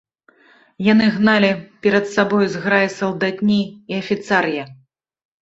Яны гналі перад сабою зграі салдатні і афіцар'я.